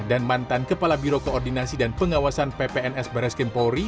dan mantan kepala biro koordinasi dan pengawasan ppns baraskin pori